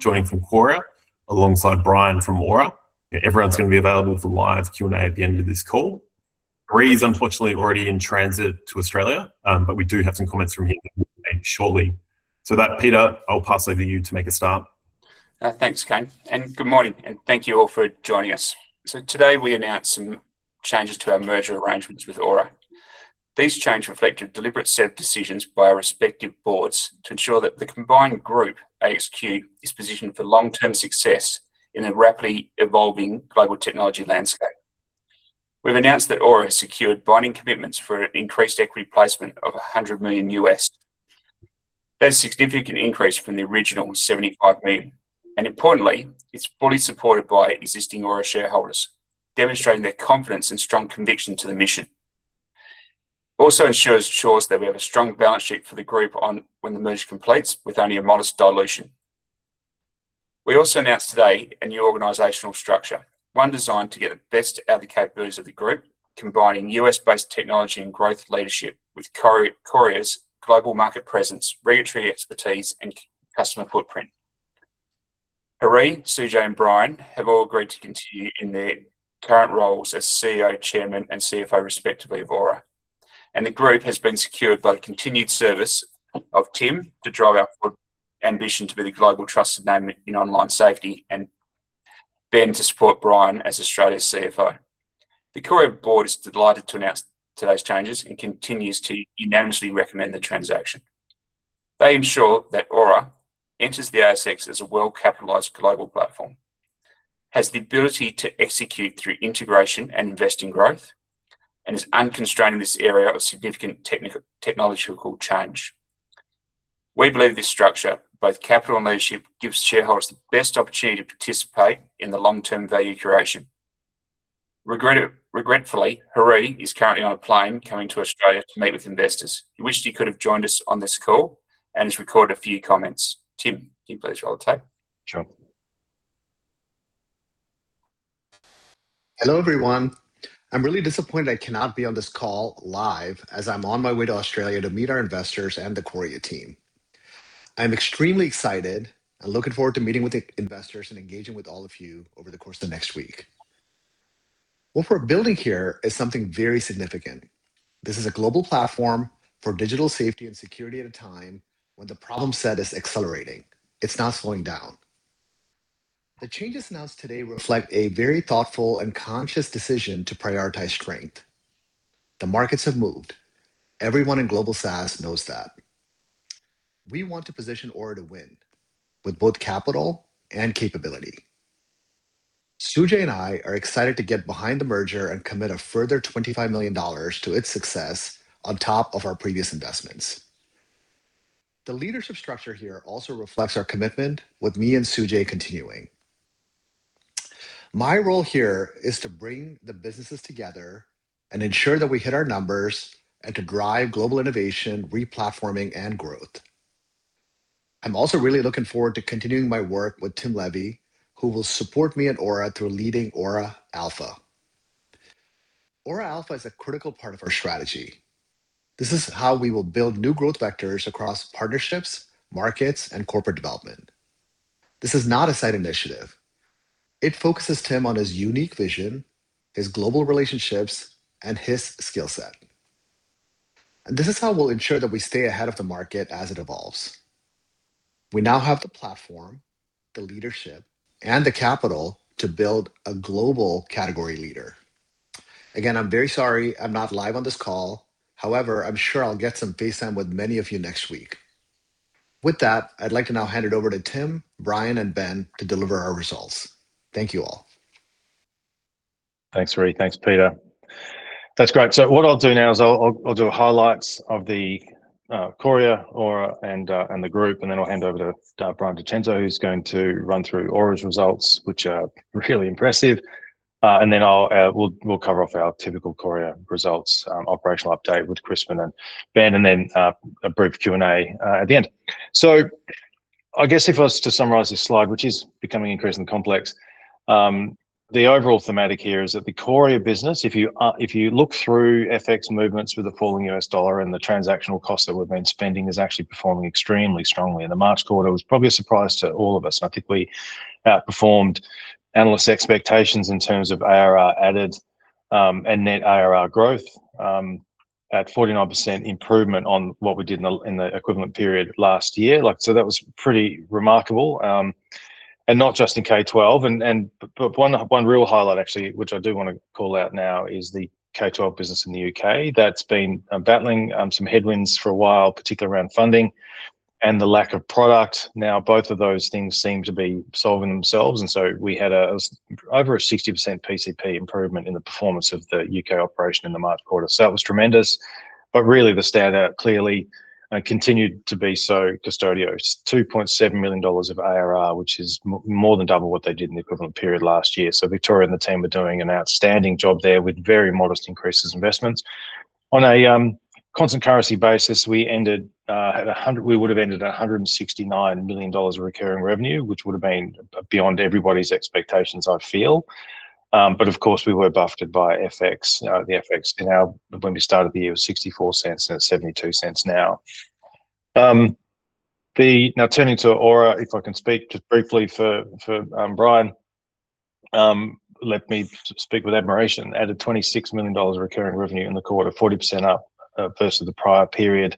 Joining from Qoria alongside Brian from Aura. Everyone's going to be available for live Q&A at the end of this call. Hari is unfortunately already in transit to Australia. We do have some comments from him shortly. With that, Peter, I'll pass over to you to make a start. Thanks, Kane, and good morning, and thank you all for joining us. Today we announce some changes to our merger arrangements with Aura. These changes reflect a deliberate set of decisions by our respective boards to ensure that the combined group, AXQ, is positioned for long-term success in a rapidly evolving global technology landscape. We've announced that Aura has secured binding commitments for an increased equity placement of $100 million. That's a significant increase from the original $75 million, and importantly, it's fully supported by existing Aura shareholders, demonstrating their confidence and strong conviction to the mission. It also ensures that we have a strong balance sheet for the group when the merger completes, with only a modest dilution. We also announced today a new organizational structure, one designed to get the best out of the capabilities of the group, combining U.S.-based technology and growth leadership with Qoria's global market presence, regulatory expertise, and customer footprint. Hari, Sujay, and Brian have all agreed to continue in their current roles as CEO, chairman, and CFO respectively of Aura. The group has been secured by the continued service of Tim to drive our ambition to be the global trusted name in online safety, and Ben to support Brian as Australia's CFO. The Qoria board is delighted to announce today's changes and continues to unanimously recommend the transaction. They ensure that Aura enters the ASX as a well-capitalized global platform, has the ability to execute through integration and invest in growth, and is unconstrained in this area of significant technological change. We believe this structure, both capital and leadership, gives shareholders the best opportunity to participate in the long-term value creation. Regretfully, Hari is currently on a plane coming to Australia to meet with investors. He wished he could have joined us on this call and has recorded a few comments. Tim, can you play Hari's tape? Sure. Hello, everyone. I'm really disappointed I cannot be on this call live as I'm on my way to Australia to meet our investors and the Qoria team. I'm extremely excited and looking forward to meeting with the investors and engaging with all of you over the course of next week. What we're building here is something very significant. This is a global platform for digital safety and security at a time when the problem set is accelerating. It's not slowing down. The changes announced today reflect a very thoughtful and conscious decision to prioritize strength. The markets have moved. Everyone in global SaaS knows that. We want to position Aura to win with both capital and capability. Sujay and I are excited to get behind the merger and commit a further $25 million to its success on top of our previous investments. The leadership structure here also reflects our commitment with me and Sujay continuing. My role here is to bring the businesses together and ensure that we hit our numbers and to drive global innovation, replatforming, and growth. I'm also really looking forward to continuing my work with Tim Levy, who will support me and Aura through leading Aura Alpha. Aura Alpha is a critical part of our strategy. This is how we will build new growth vectors across partnerships, markets, and corporate development. This is not a side initiative. It focuses Tim on his unique vision, his global relationships, and his skill set. This is how we'll ensure that we stay ahead of the market as it evolves. We now have the platform, the leadership, and the capital to build a global category leader. Again, I'm very sorry I'm not live on this call. However, I'm sure I'll get some face time with many of you next week. With that, I'd like to now hand it over to Tim, Brian, and Ben to deliver our results. Thank you all. Thanks, Hari. Thanks, Peter. That's great. What I'll do now is I'll do the highlights of the Qoria, Aura, and the group, and then I'll hand over to Brian DeCenzo, who's going to run through Aura's results, which are really impressive. Then we'll cover off our typical Qoria results, operational update with Crispin and Ben, and then a brief Q&A at the end. I guess if I was to summarize this slide, which is becoming increasingly complex, the overall thematic here is that the Qoria business, if you look through FX movements with the falling US dollar and the transactional costs that we've been spending, is actually performing extremely strongly. In the March quarter, it was probably a surprise to all of us, and I think we outperformed analyst expectations in terms of ARR added, and net ARR growth, at 49% improvement on what we did in the equivalent period last year. That was pretty remarkable, and not just in K-12. One real highlight actually, which I do want to call out now is the K-12 business in the U.K. That's been battling some headwinds for a while, particularly around funding and the lack of product. Now, both of those things seem to be solving themselves, and so we had over a 60% PCP improvement in the performance of the U.K. operation in the March quarter. That was tremendous. Really the standout clearly, and continued to be so, Qustodio. 2.7 million dollars of ARR, which is more than double what they did in the equivalent period last year. Victoria and the team are doing an outstanding job there with very modest increases in investments. On a constant currency basis, we would have ended at 169 million dollars of recurring revenue, which would have been beyond everybody's expectations, I feel. Of course, we were buffeted by FX. The FX when we started the year was $0.64, and it's $0.72 Now. Now turning to Aura, if I can speak just briefly for Brian. Let me speak with admiration. Aura added $26 million of recurring revenue in the quarter, 40% up versus the prior period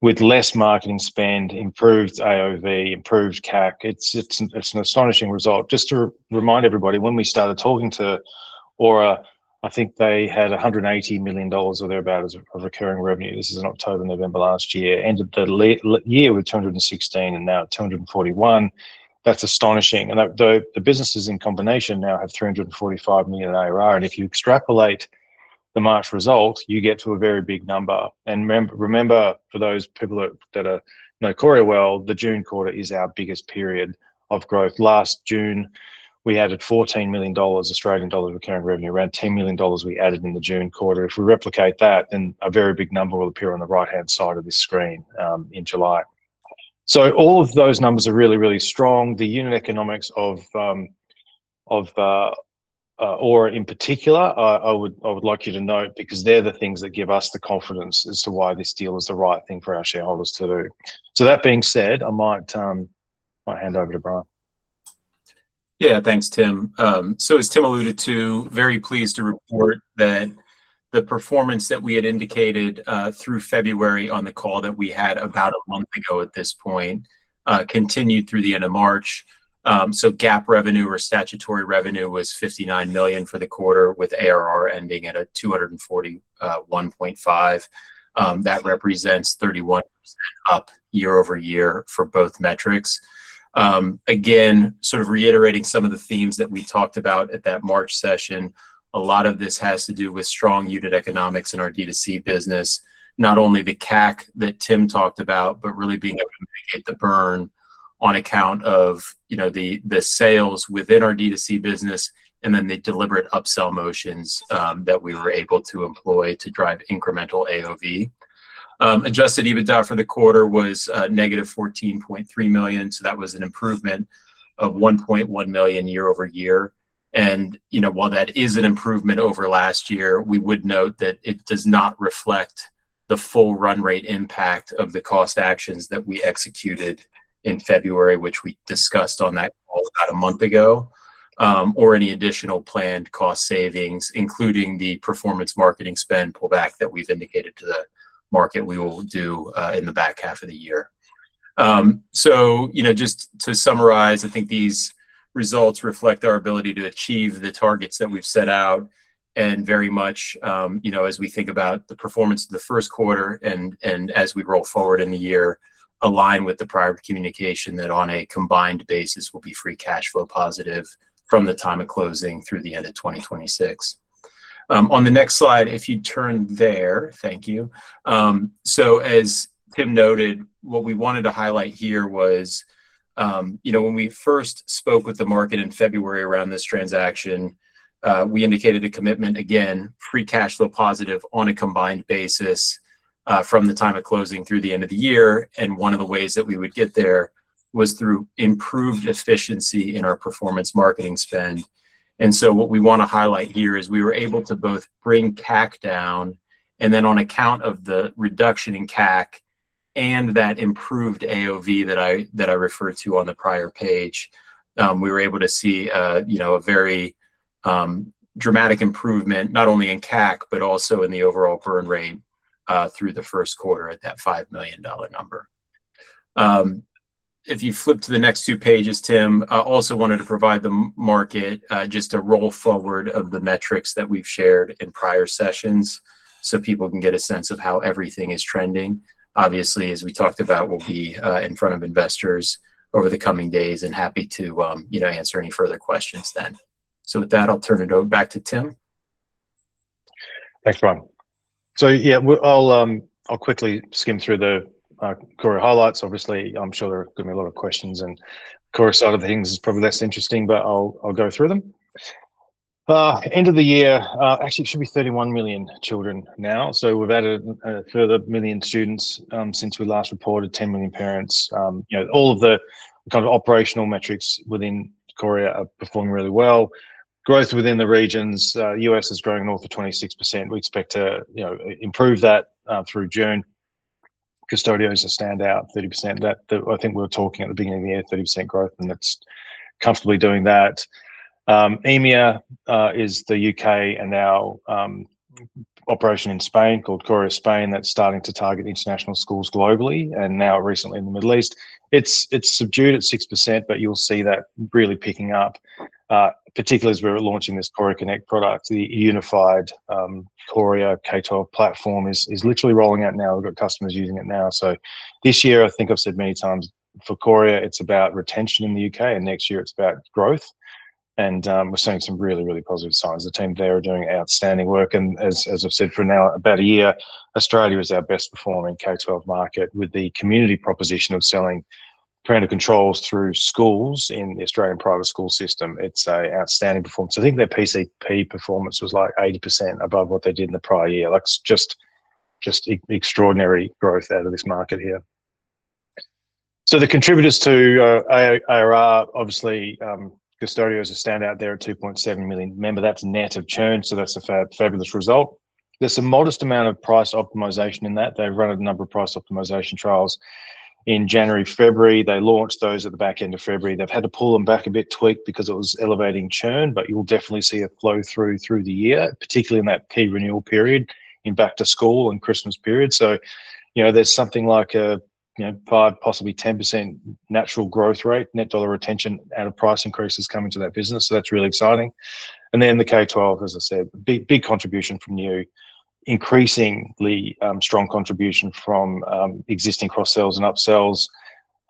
with less marketing spend, improved AOV, improved CAC. It's an astonishing result. Just to remind everybody, when we started talking to Aura, I think they had $180 million or thereabout of recurring revenue. This is in October, November last year. Ended the year with 216 million and now at 241 million. That's astonishing. The businesses in combination now have 345 million ARR. If you extrapolate the March result, you get to a very big number. Remember, for those people that know Qoria well, the June quarter is our biggest period of growth. Last June, we added 14 million Australian dollars of recurring revenue. Around 10 million dollars we added in the June quarter. If we replicate that, then a very big number will appear on the right-hand side of this screen, in July. All of those numbers are really, really strong. The unit economics of Aura in particular, I would like you to note, because they're the things that give us the confidence as to why this deal is the right thing for our shareholders to do. That being said, I might hand over to Brian. Yeah. Thanks, Tim. As Tim alluded to, very pleased to report that the performance that we had indicated through February on the call that we had about a month ago at this point, continued through the end of March. GAAP revenue or statutory revenue was 59 million for the quarter, with ARR ending at 241.5 million. That represents 31% up year-over-year for both metrics. Again, sort of reiterating some of the themes that we talked about at that March session, a lot of this has to do with strong unit economics in our D2C business. Not only the CAC that Tim talked about, but really being able to mitigate the burn on account of the sales within our D2C business, and then the deliberate upsell motions that we were able to employ to drive incremental AOV. Adjusted EBITDA for the quarter was negative 14.3 million, so that was an improvement of 1.1 million year-over-year. While that is an improvement over last year, we would note that it does not reflect the full run-rate impact of the cost actions that we executed in February, which we discussed on that call about a month ago, or any additional planned cost savings, including the performance marketing spend pullback that we've indicated to the market we will do in the back half of the year. Just to summarize, I think these results reflect our ability to achieve the targets that we've set out and very much, as we think about the performance of the first quarter and as we roll forward in the year, align with the prior communication that on a combined basis will be free cash flow positive from the time of closing through the end of 2026. On the next slide, if you turn there. Thank you. As Tim noted, what we wanted to highlight here was when we first spoke with the market in February around this transaction, we indicated a commitment again, free cash flow positive on a combined basis, from the time of closing through the end of the year. And one of the ways that we would get there was through improved efficiency in our performance marketing spend. What we want to highlight here is we were able to both bring CAC down, and then on account of the reduction in CAC and that improved AOV that I referred to on the prior page, we were able to see a very dramatic improvement, not only in CAC, but also in the overall burn rate through the first quarter at that $5 million number. If you flip to the next two pages, Tim, I also wanted to provide the market just a roll forward of the metrics that we've shared in prior sessions so people can get a sense of how everything is trending. Obviously, as we talked about, we'll be in front of investors over the coming days and happy to answer any further questions then. With that, I'll turn it over back to Tim. Thanks, Brian. Yeah, I'll quickly skim through the Qoria highlights. Obviously, I'm sure there are going to be a lot of questions, and Qoria side of things is probably less interesting, but I'll go through them. End of the year, actually it should be 31 million children now. We've added a further 1 million students since we last reported 10 million parents. All of the kind of operational metrics within Qoria are performing really well. Growth within the regions, U.S. is growing north of 26%. We expect to improve that through June. Qustodio is a standout 30%. That, I think we were talking at the beginning of the year, 30% growth, and that's comfortably doing that. EMEA is the U.K. and now operation in Spain called Qoria Spain. That's starting to target international schools globally, and now recently in the Middle East. It's subdued at 6%, but you'll see that really picking up, particularly as we're launching this Qoria Connect product. The unified Qoria K-12 platform is literally rolling out now. We've got customers using it now. This year, I think I've said many times, for Qoria, it's about retention in the U.K., and next year it's about growth. We're seeing some really, really positive signs. The team there are doing outstanding work. As I've said for about a year now, Australia is our best performing K-12 market with the community proposition of selling parental controls through schools in the Australian private school system. It's an outstanding performance. I think their PCP performance was like 80% above what they did in the prior year. Just extraordinary growth out of this market here. The contributors to ARR, obviously, Qustodio is a standout there at 2.7 million. Remember, that's net of churn, so that's a fabulous result. There's some modest amount of price optimization in that. They've run a number of price optimization trials in January, February. They launched those at the back end of February. They've had to pull them back a bit, tweak, because it was elevating churn, but you'll definitely see it flow through the year, particularly in that key renewal period in back to school and Christmas period. There's something like a 5%, possibly 10% natural growth rate, net dollar retention out of price increases coming to that business. That's really exciting. Then the K12, as I said, big contribution from new. Increasingly strong contribution from existing cross-sells and up-sells.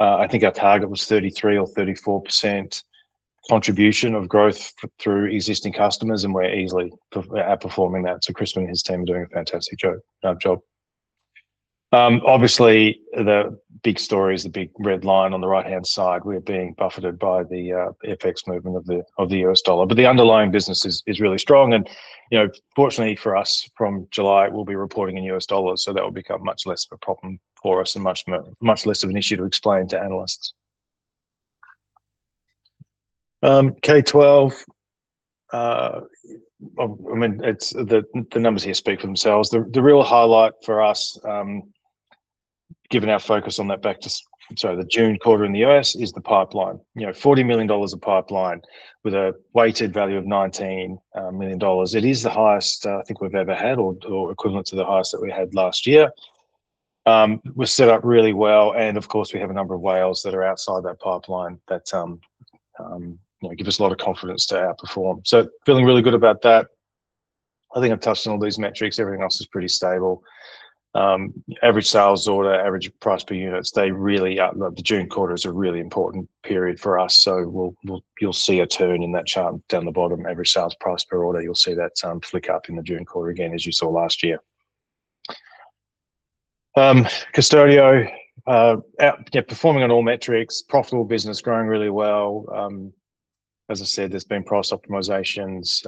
I think our target was 33% or 34% contribution of growth through existing customers, and we're easily outperforming that. Chris and his team are doing a fantastic job. Obviously, the big story is the big red line on the right-hand side. We're being buffeted by the FX movement of the US dollar. The underlying business is really strong and fortunately for us, from July, we'll be reporting in US dollars, so that will become much less of a problem for us and much less of an issue to explain to analysts. K12, the numbers here speak for themselves. The real highlight for us, given our focus on the June quarter in the U.S is the pipeline. $40 million of pipeline with a weighted value of $19 million. It is the highest I think we've ever had or equivalent to the highest that we had last year. We're set up really well, and of course, we have a number of whales that are outside that pipeline that give us a lot of confidence to outperform. Feeling really good about that. I think I've touched on all these metrics. Everything else is pretty stable. Average sales order, average price per unit, the June quarter is a really important period for us, so you'll see a turn in that chart down the bottom, average sales price per order. You'll see that flick up in the June quarter again as you saw last year. Qustodio, performing on all metrics. Profitable business, growing really well. As I said, there's been price optimizations.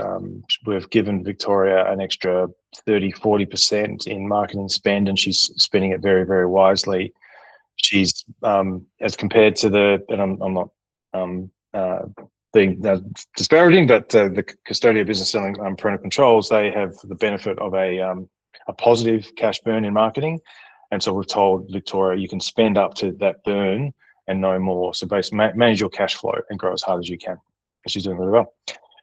We've given Victoria an extra 30%, 40% in marketing spend, and she's spending it very wisely. I'm not disparaging, but the Qustodio business selling parental controls, they have the benefit of a positive cash burn in marketing. We've told Victoria, "You can spend up to that burn and no more. Manage your cash flow and grow as hard as you can." She's doing very well.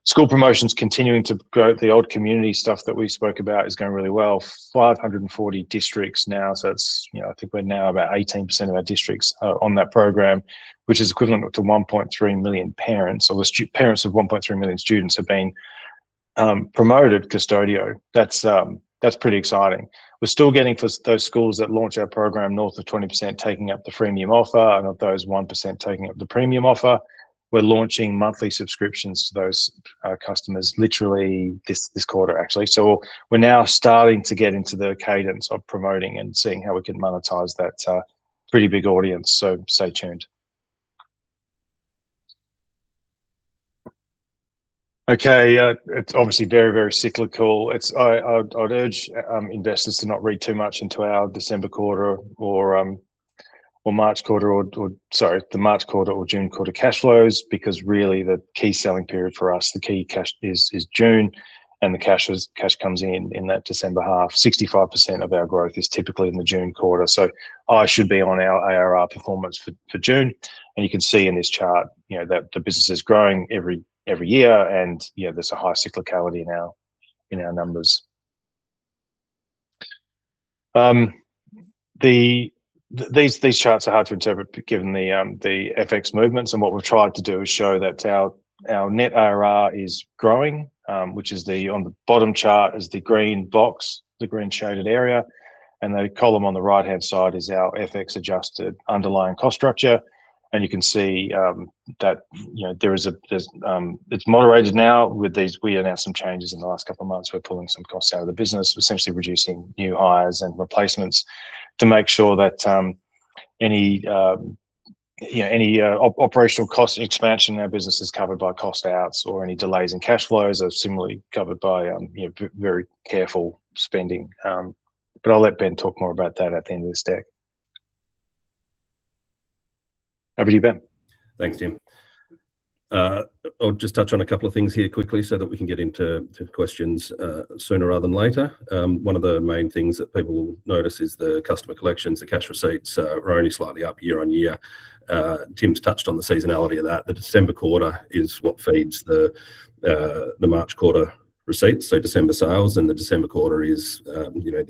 School promotions continuing to grow. The old community stuff that we spoke about is going really well. 540 districts now, so I think we're now about 18% of our districts are on that program, which is equivalent to 1.3 million parents or the parents of 1.3 million students have been promoted Qustodio. That's pretty exciting. We're still getting those schools that launch our program, north of 20% taking up the freemium offer, and of those, 1% taking up the premium offer. We're launching monthly subscriptions to those customers literally this quarter, actually. We're now starting to get into the cadence of promoting and seeing how we can monetize that pretty big audience. Stay tuned. Okay. It's obviously very cyclical. I'd urge investors to not read too much into our December quarter or March quarter or the March quarter or June quarter cash flows, because really the key selling period for us, the key cash is June, and the cash comes in in that December half. 65% of our growth is typically in the June quarter, so eyes should be on our ARR performance for June. You can see in this chart that the business is growing every year and there's a high cyclicality now in our numbers. These charts are hard to interpret given the FX movements and what we've tried to do is show that our net ARR is growing. On the bottom chart is the green box, the green shaded area, and the column on the right-hand side is our FX adjusted underlying cost structure. You can see that it's moderated now. We announced some changes in the last couple of months. We're pulling some costs out of the business. We're essentially reducing new hires and replacements to make sure that any operational cost expansion in our business is covered by cost outs or any delays in cash flows are similarly covered by very careful spending. I'll let Ben talk more about that at the end of this deck. Over to you, Ben. Thanks, Tim. I'll just touch on a couple of things here quickly so that we can get into questions sooner rather than later. One of the main things that people will notice is the customer collections. The cash receipts are only slightly up year-over-year. Tim's touched on the seasonality of that. The December quarter is what feeds the March quarter receipts. The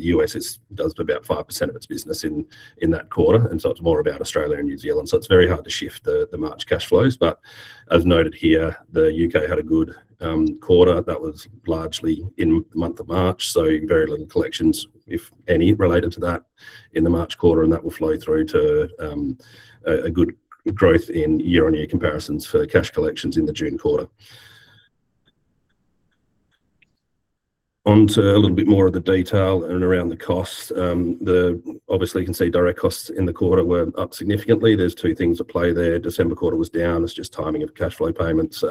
U.S. does about 5% of its business in that quarter, and it's more about Australia and New Zealand. It's very hard to shift the March cash flows. As noted here, the U.K. had a good quarter that was largely in the month of March, so very little collections, if any, related to that in the March quarter, and that will flow through to a good growth in year-on-year comparisons for cash collections in the June quarter. On to a little bit more of the detail and around the cost. Obviously, you can see direct costs in the quarter were up significantly. There are two things at play there. December quarter was down. It's just timing of cash flow payments.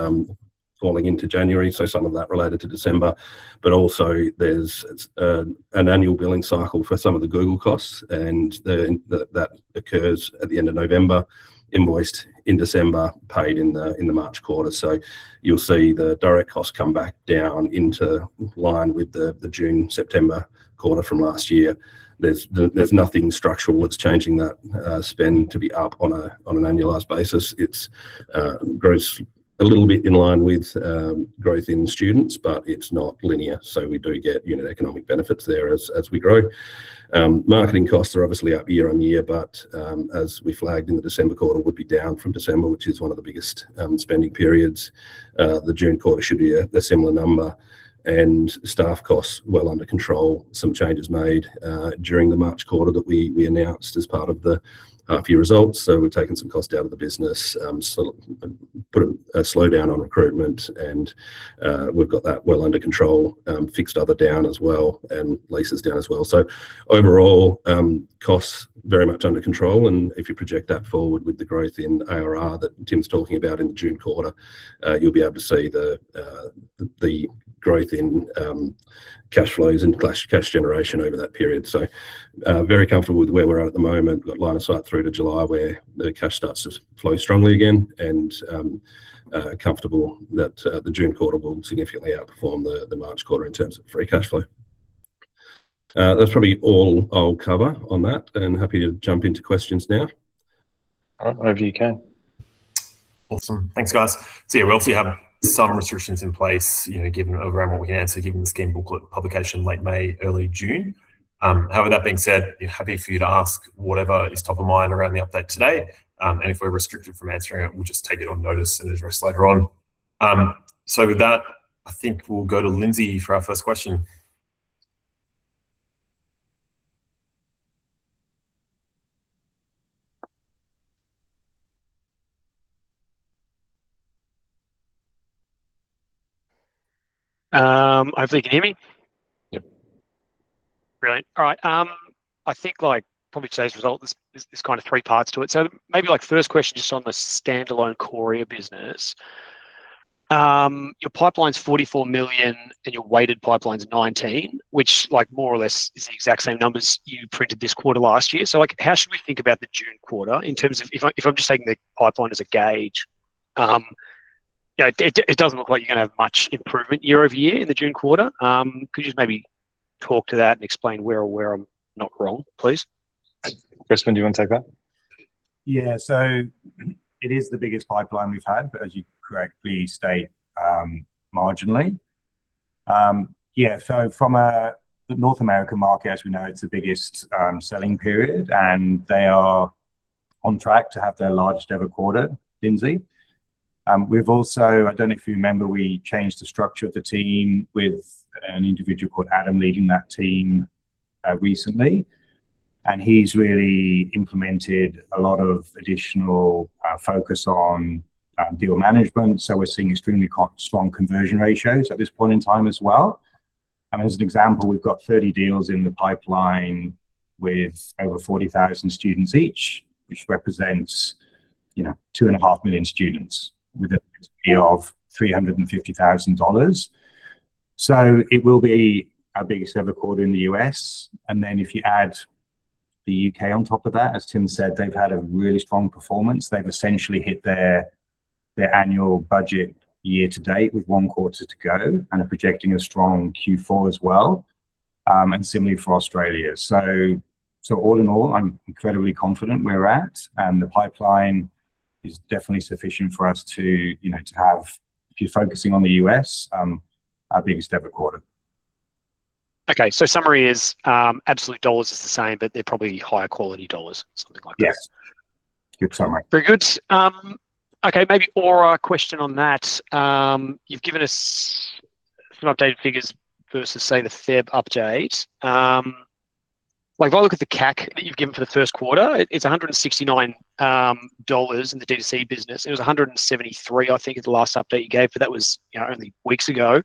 Falling into January, so some of that related to December, but also there's an annual billing cycle for some of the Google costs, and that occurs at the end of November, invoiced in December, paid in the March quarter. You'll see the direct costs come back down into line with the June, September quarter from last year. There's nothing structural that's changing that spend to be up on an annualized basis. It grows a little bit in line with growth in students, but it's not linear, so we do get unit economic benefits there as we grow. Marketing costs are obviously up year-on-year, but as we flagged in the December quarter, would be down from December, which is one of the biggest spending periods. The June quarter should be a similar number and staff costs well under control. Some changes made during the March quarter that we announced as part of the half year results. We've taken some cost out of the business, put a slowdown on recruitment, and we've got that well under control, fixed overhead down as well, and leases down as well. Overall, costs very much under control. If you project that forward with the growth in ARR that Tim's talking about in the June quarter, you'll be able to see the growth in cash flows and cash generation over that period. Very comfortable with where we're at the moment. Got line of sight through to July where the cash starts to flow strongly again and comfortable that the June quarter will significantly outperform the March quarter in terms of free cash flow. That's probably all I'll cover on that and happy to jump into questions now. All right. Over to you, Cam. Awesome. Thanks, guys. We obviously have some restrictions in place given around what we can answer, given the scheme booklet publication late May, early June. However, that being said, happy for you to ask whatever is top of mind around the update today, and if we're restricted from answering it, we'll just take it on notice and address later on. With that, I think we'll go to Lindsay for our first question. Hopefully you can hear me. Yep. Brilliant. All right. I think, probably today's result, there's kind of three parts to it. Maybe first question just on the standalone Qoria business. Your pipeline's 44 million and your weighted pipeline's 19 million, which more or less is the exact same numbers you printed this quarter last year. How should we think about the June quarter in terms of if I'm just taking the pipeline as a gauge, it doesn't look like you're going to have much improvement year-over-year in the June quarter. Could you just maybe talk to that and explain where I'm not wrong, please? Crispin, do you want to take that? Yeah. It is the biggest pipeline we've had, but as you correctly state, marginally. Yeah, from a North American market, as we know, it's the biggest selling period, and they are on track to have their largest ever quarter, Lindsay. We've also, I don't know if you remember, we changed the structure of the team with an individual called Adam leading that team recently, and he's really implemented a lot of additional focus on deal management. We're seeing extremely strong conversion ratios at this point in time as well. As an example, we've got 30 deals in the pipeline with over 40,000 students each, which represents 2.5 million students with a fee of $350,000. It will be our biggest ever quarter in the U.S. If you add the U.K. on top of that, as Tim said, they've had a really strong performance. They've essentially hit their annual budget year to date with one quarter to go and are projecting a strong Q4 as well, and similarly for Australia. All in all, I'm incredibly confident where we're at, and the pipeline is definitely sufficient for us to have, if you're focusing on the U.S., our biggest ever quarter. Okay. Summary is absolute dollars is the same, but they're probably higher quality dollars, something like that. Yes. Good summary. Very good. Okay, maybe Aura question on that. You've given us some updated figures versus, say, the Feb update. If I look at the CAC that you've given for the first quarter, it's $169 in the D2C business. It was 173, I think, is the last update you gave, but that was only weeks ago.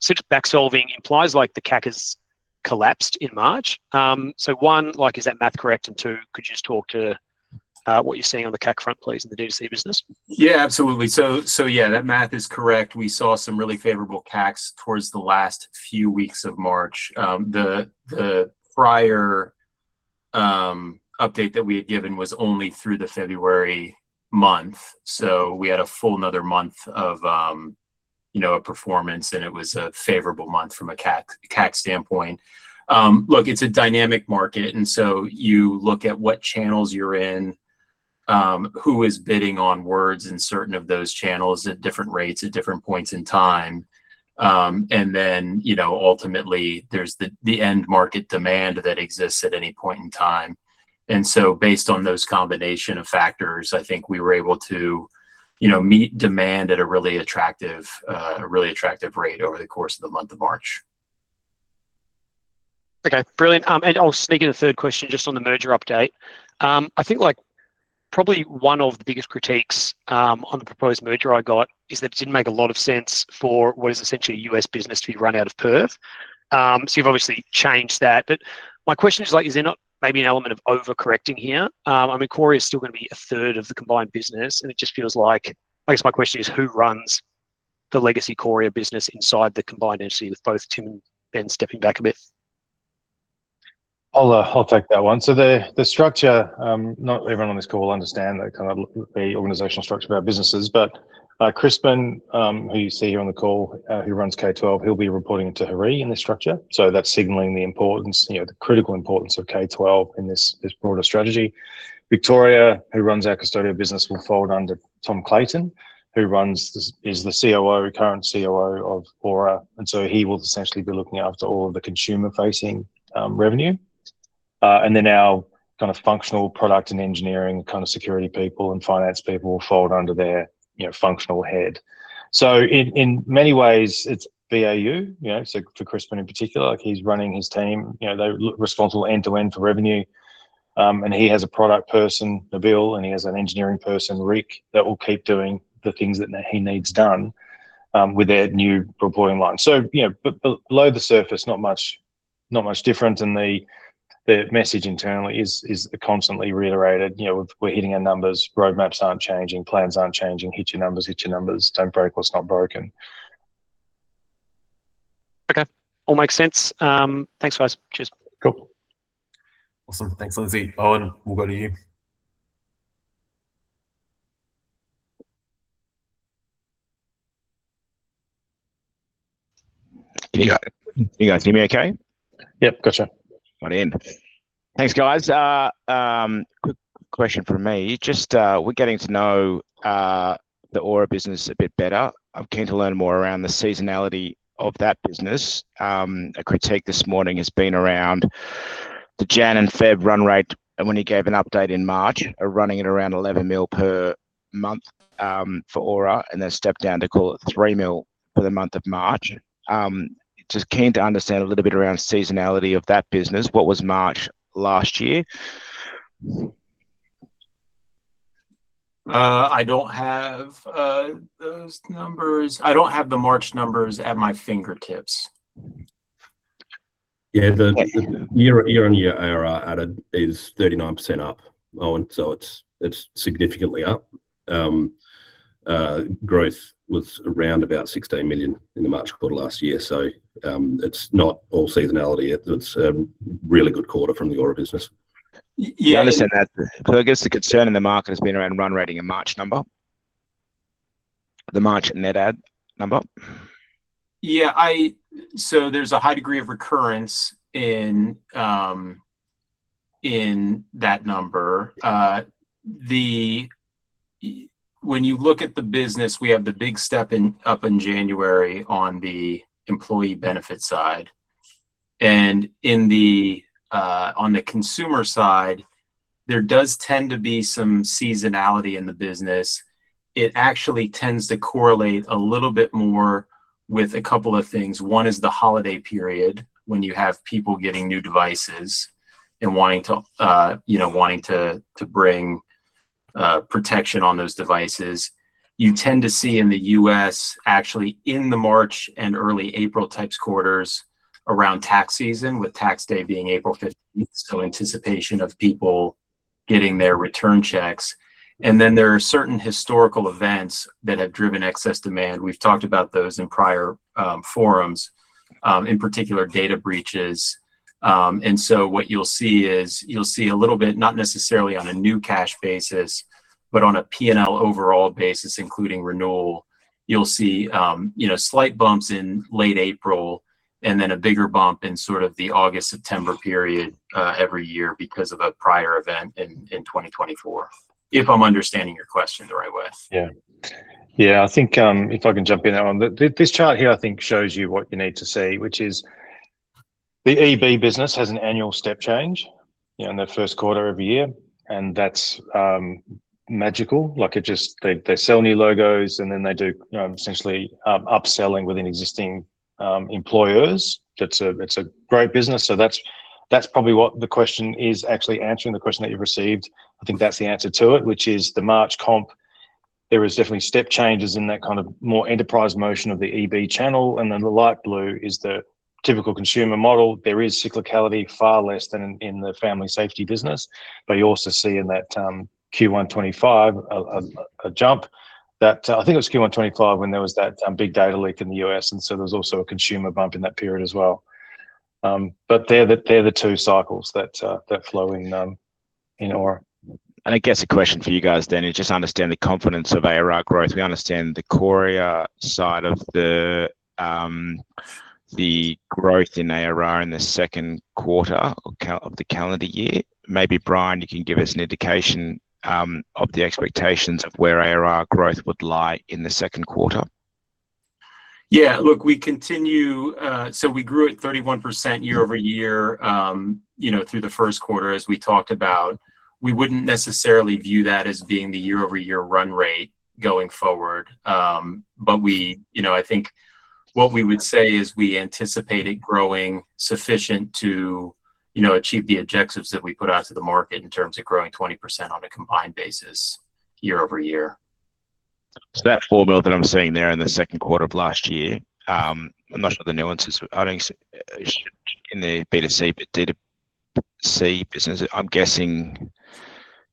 Such back solving implies the CAC has collapsed in March. 1, is that math correct? And two, could you just talk to what you're seeing on the CAC front, please, in the D2C business? Yeah, absolutely. Yeah, that math is correct. We saw some really favorable CACs towards the last few weeks of March. The prior update that we had given was only through the February month. We had a full another month of a performance, and it was a favorable month from a CAC standpoint. Look, it's a dynamic market, and so you look at what channels you're in, who is bidding on words in certain of those channels at different rates at different points in time. Then ultimately, there's the end market demand that exists at any point in time. Based on those combination of factors, I think we were able to meet demand at a really attractive rate over the course of the month of March. Okay, brilliant. Speaking of the third question, just on the merger update. I think probably one of the biggest critiques on the proposed merger I got is that it didn't make a lot of sense for what is essentially a U.S. business to be run out of Perth. You've obviously changed that, but my question is there not maybe an element of overcorrecting here? Qoria is still going to be a third of the combined business, and it just feels like I guess my question is, who runs the legacy Qoria business inside the combined entity with both Tim and Ben stepping back a bit. I'll take that one. The structure, not everyone on this call will understand the kind of the organizational structure of our businesses, but Crispin, who you see here on the call, who runs K12, he'll be reporting to Hari in this structure. That's signaling the critical importance of K12 in this broader strategy. Victoria, who runs our Qustodio business, will fold under Thomas Clayton, who is the current COO of Aura. He will essentially be looking after all of the consumer-facing revenue. Our kind of functional product and engineering kind of security people and finance people will fold under their functional head. In many ways it's BAU, so for Crispin in particular, he's running his team. They're responsible end-to-end for revenue, and he has a product person, Nabil, and he has an engineering person, Rick, that will keep doing the things that he needs done with their new reporting line. Below the surface, not much different and the message internally is constantly reiterated. We're hitting our numbers. Roadmaps aren't changing. Plans aren't changing. Hit your numbers. Don't break what's not broken. Okay. All makes sense. Thanks, guys. Cheers. Cool. Awesome. Thanks, Lindsay. Owen, we'll go to you. Can you guys hear me okay? Yep. Gotcha. Right in. Thanks, guys. Quick question from me. Just we're getting to know the Aura business a bit better. I'm keen to learn more around the seasonality of that business. A critique this morning has been around the January and February run-rate and when you gave an update in March of running at around 11 million per month for Aura, and then stepped down to call it 3 million for the month of March. Just keen to understand a little bit around seasonality of that business. What was March last year? I don't have those numbers. I don't have the March numbers at my fingertips. Yeah. The year-on-year ARR added is 39% up, Owen, so it's significantly up. Growth was around about 16 million in the March quarter last year. It's not all seasonality yet, it's a really good quarter from the Aura business. Yeah, I understand that. I guess the concern in the market has been around run-rate in March number, the March net add number. Yeah. There's a high degree of recurrence in that number. When you look at the business, we have the big step up in January on the employee benefit side. On the consumer side, there does tend to be some seasonality in the business. It actually tends to correlate a little bit more with a couple of things. One is the holiday period when you have people getting new devices and wanting to bring protection on those devices. You tend to see in the U.S., actually in the March and early April types quarters around tax season, with tax day being April 15th, so anticipation of people getting their return checks. Then there are certain historical events that have driven excess demand. We've talked about those in prior forums, in particular data breaches. What you'll see is, you'll see a little bit, not necessarily on a new cash basis, but on a P&L overall basis, including renewal. You'll see slight bumps in late April and then a bigger bump in sort of the August, September period, every year because of a prior event in 2024, if I'm understanding your question the right way. Yeah. I think, if I can jump in there, Owen, this chart here I think shows you what you need to see, which is the EB business has an annual step change in that first quarter of a year, and that's magical. Like, they sell new logos and then they do essentially upselling within existing employers. It's a great business, so that's probably what the question is actually answering. The question that you've received, I think that's the answer to it. Which is the March comp, there is definitely step changes in that kind of more enterprise motion of the EB channel and then the light blue is the typical consumer model. There is cyclicality far less than in the family safety business. But you also see in that Q1 2025, a jump that. I think it was Q1 2025 when there was that big data leak in the U.S., and so there was also a consumer bump in that period as well. They're the two cycles that flow in Aura. I guess a question for you guys then is just understand the confidence of ARR growth. We understand the Qoria side of the growth in ARR in the second quarter of the calendar year. Maybe Brian, you can give us an indication of the expectations of where ARR growth would lie in the second quarter. Yeah. Look, so we grew at 31% year-over-year, through the first quarter as we talked about. We wouldn't necessarily view that as being the year-over-year run-rate going forward. I think what we would say is we anticipated growing sufficient to achieve the objectives that we put out to the market in terms of growing 20% on a combined basis year-over-year. That floor build that I'm seeing there in the second quarter of last year, I'm not sure of the nuances in the B2C, but D2C business, I'm guessing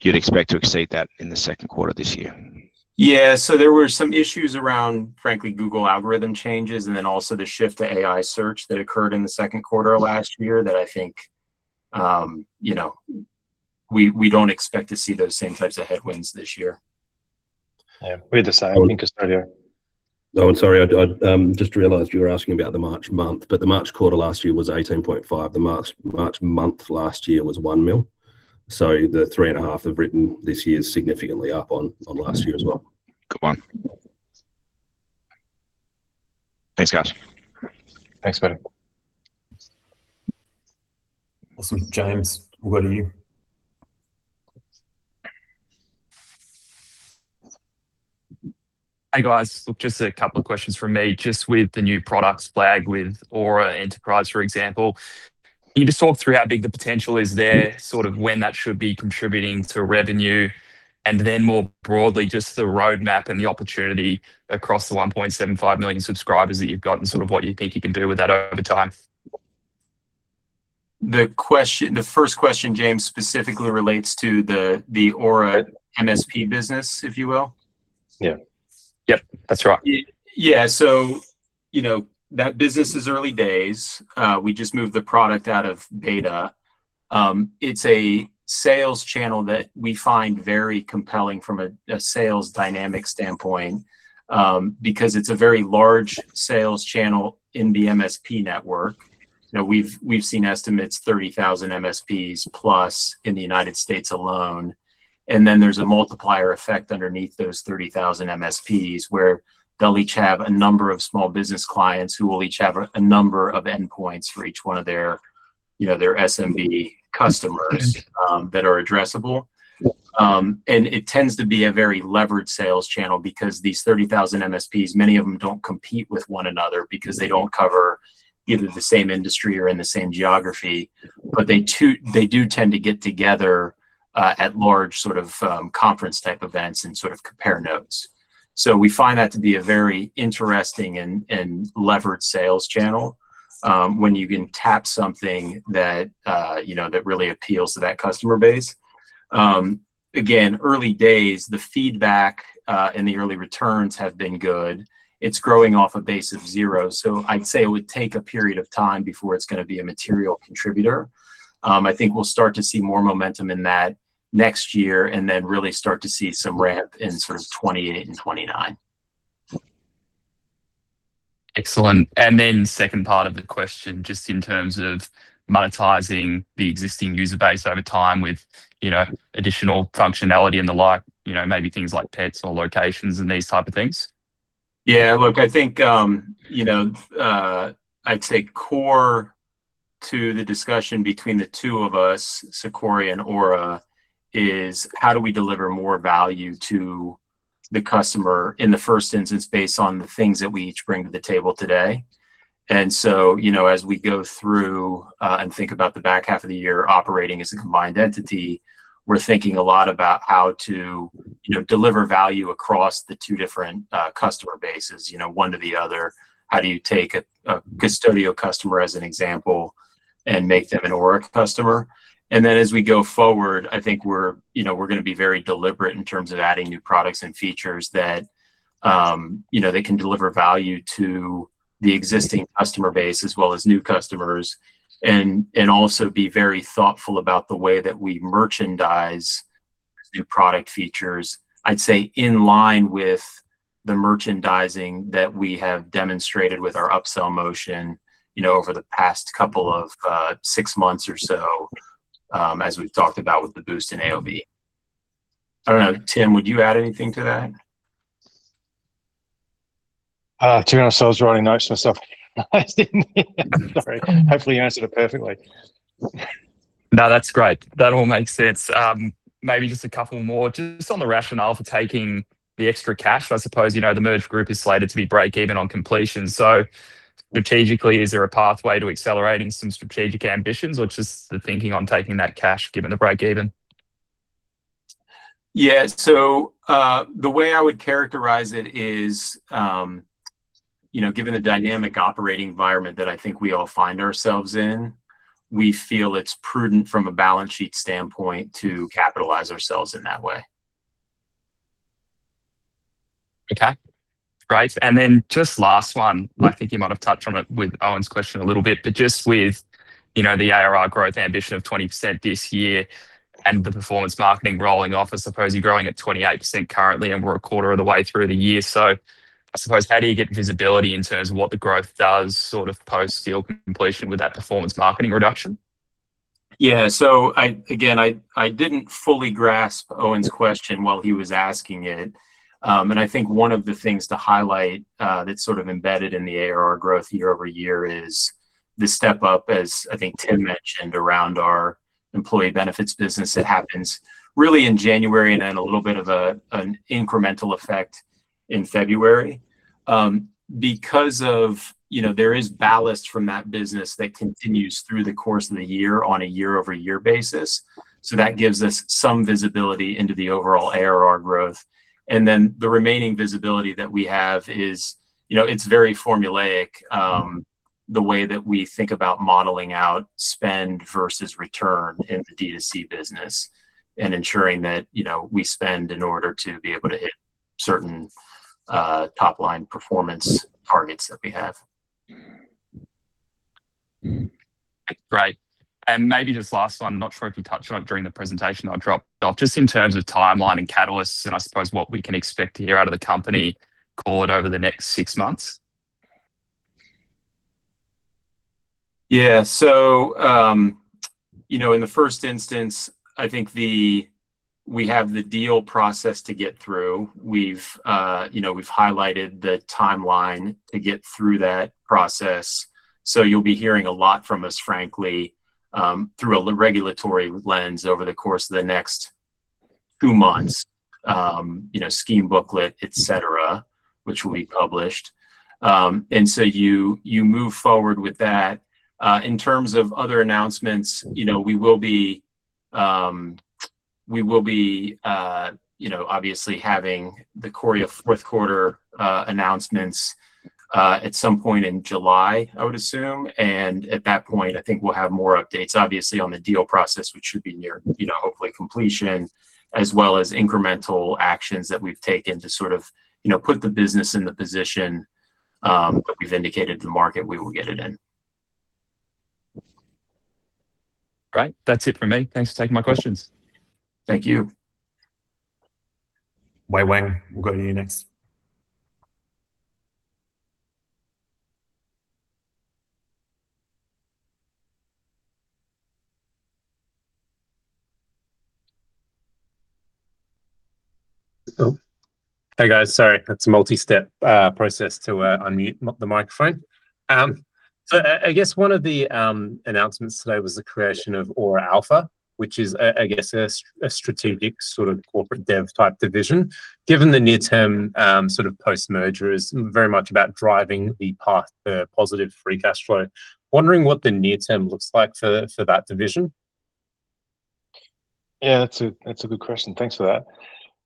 you'd expect to exceed that in the second quarter of this year. There were some issues around, frankly, Google algorithm changes, and then also the shift to AI search that occurred in the second quarter last year that I think, we don't expect to see those same types of headwinds this year. Yeah. With the, I think, Australia. Oh, sorry, I just realized you were asking about the March month, but the March quarter last year was 18.5 million. The March month last year was 1 million. The 3.5 Million written this year is significantly up on last year as well. Good one. Thanks, guys. Thanks, buddy. Awesome. James, we'll go to you. Hey, guys. Look, just a couple of questions from me. Just with the new product flagship with Aura Enterprise, for example. Can you just talk through how big the potential is there, sort of when that should be contributing to revenue, and then more broadly, just the roadmap and the opportunity across the 1.75 million subscribers that you've got, and sort of what you think you can do with that over time? The first question, James, specifically relates to the Aura MSP business, if you will. Yeah. Yep, that's right. Yeah. That business is early days. We just moved the product out of beta. It's a sales channel that we find very compelling from a sales dynamic standpoint, because it's a very large sales channel in the MSP network. We've seen estimates 30,000 MSPs plus in the United States alone. There's a multiplier effect underneath those 30,000 MSPs, where they'll each have a number of small business clients who will each have a number of endpoints for each one of their SMB customers. Okay that are addressable. Yeah. It tends to be a very levered sales channel because these 30,000 MSPs, many of them don't compete with one another because they don't cover either the same industry or in the same geography. They do tend to get together at large conference type events and compare notes. We find that to be a very interesting and levered sales channel, when you can tap something that really appeals to that customer base. Again, early days, the feedback, and the early returns have been good. It's growing off a base of zero. I'd say it would take a period of time before it's going to be a material contributor. I think we'll start to see more momentum in that next year, and then really start to see some ramp in sort of 2028 and 2029. Excellent. Second part of the question, just in terms of monetizing the existing user base over time with additional functionality and the like. Maybe things like pets or locations and these type of things. Yeah, look, I think, I'd say core to the discussion between the two of us, Qoria and Aura, is how do we deliver more value to the customer in the first instance based on the things that we each bring to the table today. As we go through, and think about the back half of the year operating as a combined entity, we're thinking a lot about how to deliver value across the two different customer bases, one to the other. How do you take a Qustodio customer as an example and make them an Aura customer? As we go forward, I think we're going to be very deliberate in terms of adding new products and features that they can deliver value to the existing customer base as well as new customers. Be very thoughtful about the way that we merchandise new product features. I'd say in line with the merchandising that we have demonstrated with our upsell motion over the past couple of six months or so, as we've talked about with the boost in AOV. I don't know, Tim, would you add anything to that? I was writing notes to myself. Sorry. Hopefully you answered it perfectly. No, that's great. That all makes sense. Maybe just a couple more just on the rationale for taking the extra cash. I suppose, the merged group is slated to be breakeven on completion. Strategically, is there a pathway to accelerating some strategic ambitions, or just the thinking on taking that cash given the breakeven? The way I would characterize it is, given the dynamic operating environment that I think we all find ourselves in, we feel it's prudent from a balance sheet standpoint to capitalize ourselves in that way. Okay. Great. Just last one. I think you might have touched on it with Owen's question a little bit, but just with the ARR growth ambition of 20% this year and the performance marketing rolling off, I suppose you're growing at 28% currently, and we're a quarter of the way through the year. I suppose, how do you get visibility in terms of what the growth does sort of post-deal completion with that performance marketing reduction? Yeah. Again, I didn't fully grasp Owen's question while he was asking it. I think one of the things to highlight that's sort of embedded in the ARR growth year-over-year is the step up, as I think Tim mentioned, around our employee benefits business that happens really in January and then a little bit of an incremental effect in February. Because there is ballast from that business that continues through the course of the year on a year-over-year basis. That gives us some visibility into the overall ARR growth. Then the remaining visibility that we have is. It's very formulaic. The way that we think about modeling out spend versus return in the D2C business and ensuring that we spend in order to be able to hit certain top-line performance targets that we have. Great. Maybe just last one, I'm not sure if you touched on it during the presentation, I'll drop it off. Just in terms of timeline and catalysts and I suppose what we can expect to hear out of the company call it over the next six months. Yeah. In the first instance, I think we have the deal process to get through. We've highlighted the timeline to get through that process, so you'll be hearing a lot from us, frankly, through a regulatory lens over the course of the next two months. Scheme booklet, et cetera, which will be published. You move forward with that. In terms of other announcements, we will be obviously having the Qoria fourth quarter announcements at some point in July, I would assume. At that point, I think we'll have more updates obviously on the deal process, which should be near hopefully completion, as well as incremental actions that we've taken to sort of put the business in the position that we've indicated to the market we will get it in. Great. That's it from me. Thanks for taking my questions. Thank you. Wei Wang, we'll go to you next. Oh. Hey, guys. Sorry. It's a multi-step process to unmute the microphone. I guess one of the announcements today was the creation of Aura Alpha, which is, I guess, a strategic sort of corporate dev type division. Given the near-term sort of post-merger is very much about driving the path to positive free cash flow, wondering what the near term looks like for that division. Yeah, that's a good question. Thanks for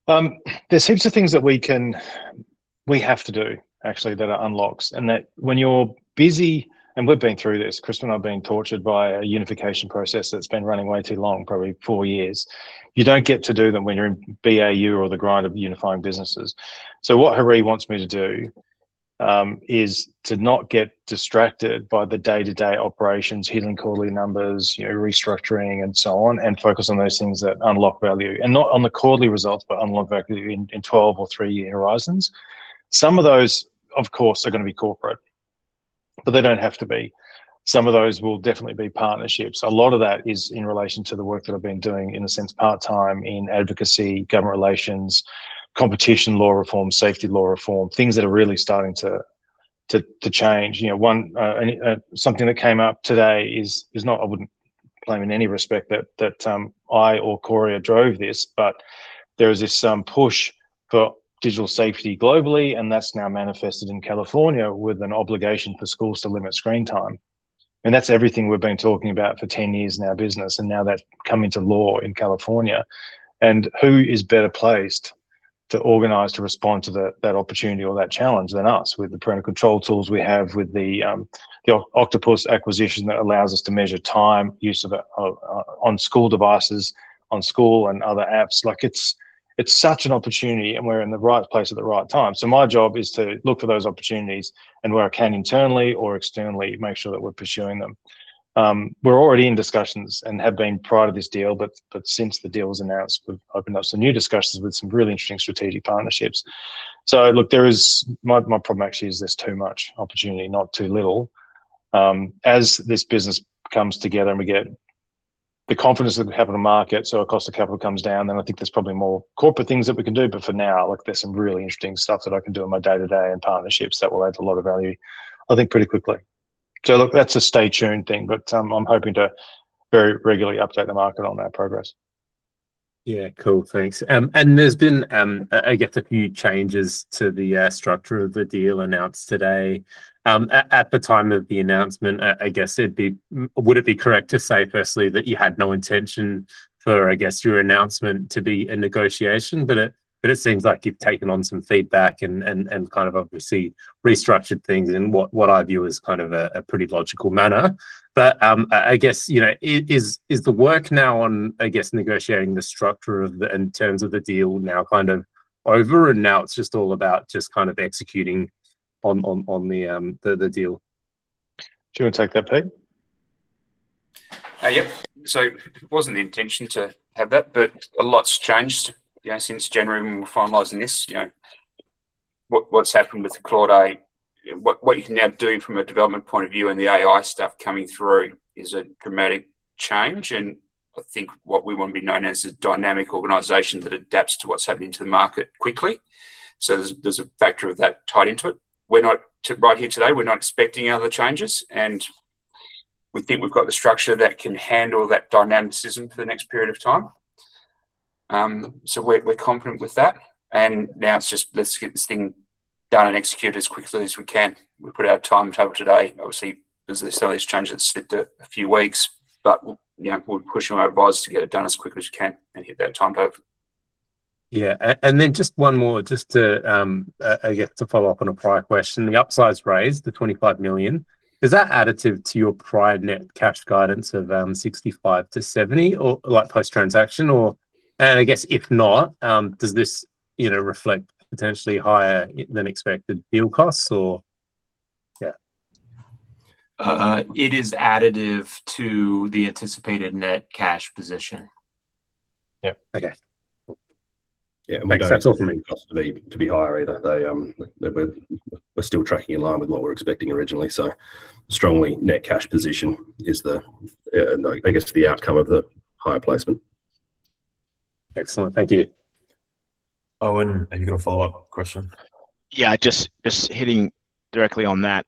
that. There's heaps of things that we have to do actually that are unlocks and that when you're busy. We've been through this, Crispin and I were being tortured by a unification process that's been running way too long, probably four years. You don't get to do them when you're in BAU or the grind of unifying businesses. What Hari wants me to do is to not get distracted by the day-to-day operations, hitting quarterly numbers, restructuring and so on, and focus on those things that unlock value, and not on the quarterly results, but unlock value in 12- or three-year horizons. Some of those, of course, are going to be corporate, but they don't have to be. Some of those will definitely be partnerships. A lot of that is in relation to the work that I've been doing, in a sense, part-time in advocacy, government relations, competition law reform, safety law reform, things that are really starting to change. Something that came up today is, I wouldn't blame in any respect that I or Qoria drove this, but there is this push for digital safety globally, and that's now manifested in California with an obligation for schools to limit screen time. That's everything we've been talking about for 10 years in our business, and now that's come into law in California. Who is better placed to organize to respond to that opportunity or that challenge than us with the parental control tools we have with the Octopus acquisition that allows us to measure time use of it on school devices, on school, and other apps. It's such an opportunity, and we're in the right place at the right time. My job is to look for those opportunities and where I can, internally or externally, make sure that we're pursuing them. We're already in discussions and have been prior to this deal, but since the deal was announced, we've opened up some new discussions with some really interesting strategic partnerships. Look, my problem actually is there's too much opportunity, not too little. As this business comes together and we get the confidence that we have in the market, so our cost of capital comes down, then I think there's probably more corporate things that we can do. For now, look, there's some really interesting stuff that I can do in my day-to-day and partnerships that will add a lot of value, I think pretty quickly. Look, that's a stay tuned thing, but I'm hoping to very regularly update the market on that progress. Yeah, cool. Thanks. There's been, I guess, a few changes to the structure of the deal announced today. At the time of the announcement, I guess, would it be correct to say firstly that you had no intention for, I guess, your announcement to be a negotiation? It seems like you've taken on some feedback and obviously restructured things in what I view as kind of a pretty logical manner. I guess, is the work now on, I guess, negotiating the structure in terms of the deal now kind of over and now it's just all about just executing on the deal? Do you want to take that, Pete? Yep. It wasn't the intention to have that, but a lot's changed since January when we were finalizing this. What's happened with the cloud, what you can now do from a development point of view and the AI stuff coming through is a dramatic change, and I think what we want to be known as a dynamic organization that adapts to what's happening to the market quickly. There's a factor of that tied into it. Right here today, we're not expecting other changes, and we think we've got the structure that can handle that dynamism for the next period of time. We're confident with that, and now it's just let's get this thing done and executed as quickly as we can. We put out a timetable today. Obviously, because some of these changes slipped a few weeks. We're pushing our advisors to get it done as quickly as you can and hit that timetable. Yeah. Just one more, just to follow up on a prior question. The upsize raise, the 25 million is that additive to your prior net cash guidance of 65 million-70 million or like post-transaction or. I guess, if not, does this reflect potentially higher than expected deal costs or. Yeah. It is additive to the anticipated net cash position. Yeah. Okay. Yeah. We don't anticipate costs to be higher either. We're still tracking in line with what we're expecting originally, so strong net cash position is the, I guess, the outcome of the higher placement. Excellent. Thank you. Owen, have you got a follow-up question? Yeah. Just hitting directly on that,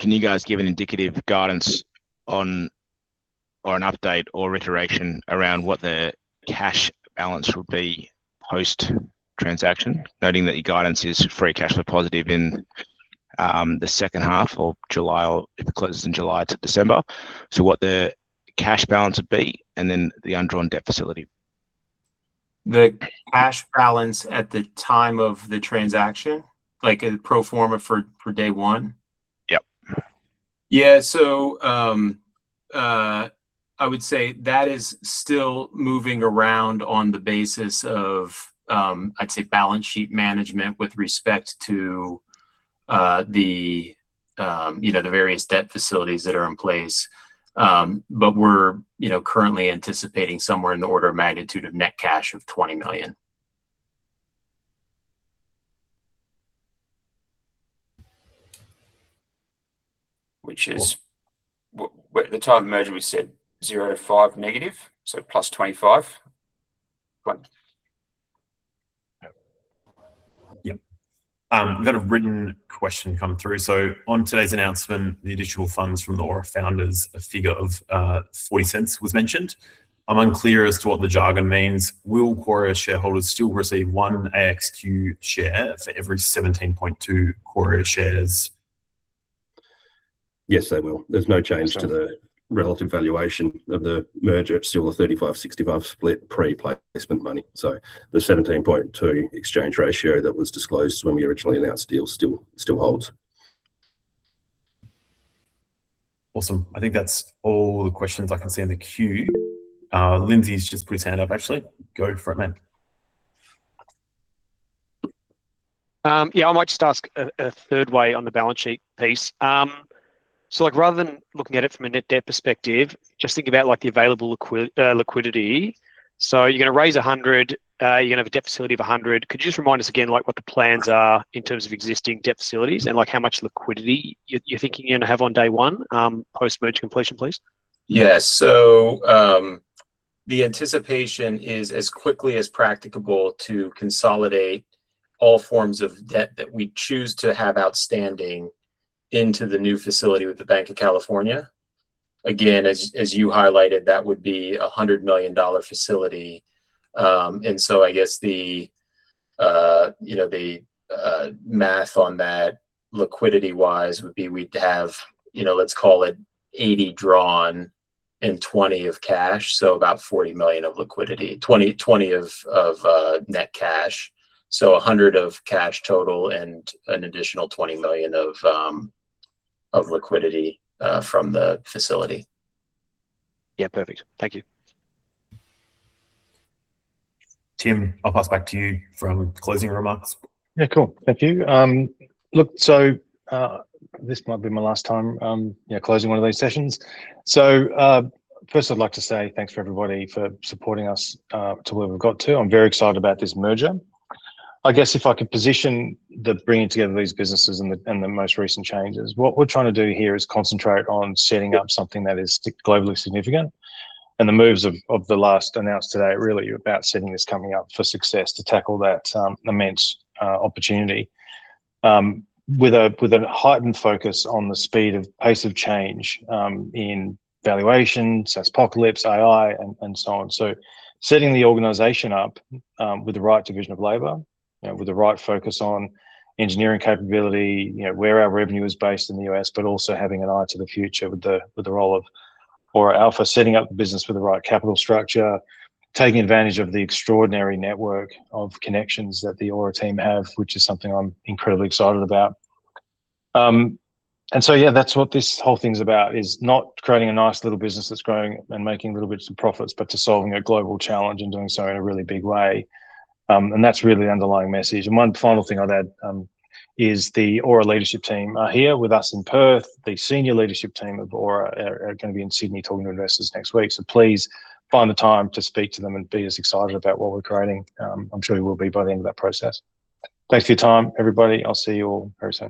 can you guys give an indicative guidance or an update or reiteration around what the cash balance will be post transaction? Noting that your guidance is free cash flow positive in the second half or July, or if it closes in July to December, so what the cash balance will be, and then the undrawn debt facility. The cash balance at the time of the transaction, like a pro forma for day one? Yep. Yeah. I would say that is still moving around on the basis of, I'd say, balance sheet management with respect to the various debt facilities that are in place. We're currently anticipating somewhere in the order of magnitude of net cash of 20 million. Which is? At the time of merger, we said -0.5%, so +25%. Go on. Yep. We've got a written question come through. On today's announcement, the additional funds from the Aura founders, a figure of $0.40 was mentioned. I'm unclear as to what the jargon means. Will Qoria shareholders still receive one AXQ share for every 17.2 Qoria shares? Yes, they will. There's no change to the relative valuation of the merger. It's still a 35-65 split pre-placement money. The 17.2 exchange ratio that was disclosed when we originally announced the deal still holds. Awesome. I think that's all the questions I can see in the queue. Lindsay's just put his hand up, actually. Go for it, man. Yeah, I might just ask a third way on the balance sheet piece. Rather than looking at it from a net debt perspective, just think about the available liquidity. You're going to raise 100 million. You're going to have a debt facility of 100 million. Could you just remind us again what the plans are in terms of existing debt facilities and how much liquidity you're thinking you're going to have on day one, post-merger completion, please? Yeah. The anticipation is as quickly as practicable to consolidate all forms of debt that we choose to have outstanding into the new facility with the Banc of California. Again, as you highlighted, that would be 100 million dollar facility. I guess, the math on that, liquidity-wise, would be, we'd have, let's call it 80 million drawn and 20 million of cash, so about 40 million of liquidity. 20 million of net cash, so 100 million of cash total and an additional 20 million of liquidity from the facility. Yeah. Perfect. Thank you. Tim, I'll pass back to you for any closing remarks. Yeah, cool. Thank you. Look, this might be my last time closing one of these sessions. First I'd like to say thanks to everybody for supporting us to where we've got to. I'm very excited about this merger. I guess if I could position the bringing together these businesses and the most recent changes. What we're trying to do here is concentrate on setting up something that is globally significant, and the moves of the last announced today are really about setting this company up for success to tackle that immense opportunity, with a heightened focus on the speed of pace of change in valuations, SaaSpocalypse, AI and so on. Setting the organization up with the right division of labor, with the right focus on engineering capability, where our revenue is based in the U.S., but also having an eye to the future with the role of Aura Alpha, setting up the business with the right capital structure, taking advantage of the extraordinary network of connections that the Aura team have, which is something I'm incredibly excited about. Yeah, that's what this whole thing's about, is not creating a nice little business that's growing and making little bits of profits, but to solving a global challenge and doing so in a really big way. That's really the underlying message. One final thing I'd add, is the Aura Leadership Team are here with us in Perth. The senior leadership team of Aura are going to be in Sydney talking to investors next week, so please find the time to speak to them and be as excited about what we're creating. I'm sure you will be by the end of that process. Thanks for your time, everybody. I'll see you all very soon.